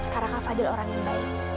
karena mbak fadil orang yang baik